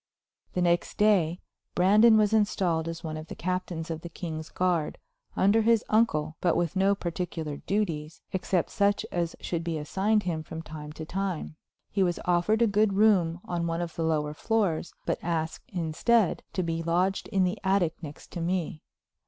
The next day Brandon was installed as one of the captains of the king's guard, under his uncle, but with no particular duties, except such as should be assigned him from time to time. He was offered a good room on one of the lower floors, but asked, instead, to be lodged in the attic next to me.